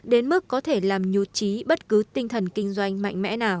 đến mức có thể làm nhu chí bất cứ tinh thần kinh doanh mạnh mẽ nào